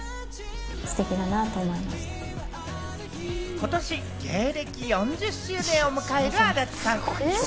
今年、芸歴４０周年を迎える安達さん。